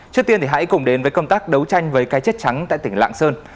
trước tiên thì hãy cùng đến với công tác đấu tranh với cái chết trắng tại tỉnh lạng sơn